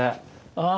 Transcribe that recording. ああ